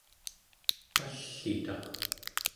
pall'itaq